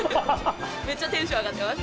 めっちゃテンション上がってます。